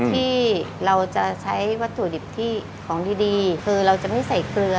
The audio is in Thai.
ที่เราจะใช้วัตถุดิบที่ของดีคือเราจะไม่ใส่เกลือ